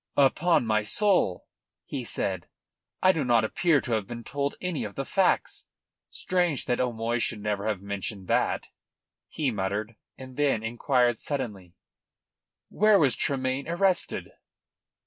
"Upon my soul," he said, "I do not appear to have been told any of the facts. Strange that O'Moy should never have mentioned that," he muttered, and then inquired suddenly: "Where was Tremayne arrested?"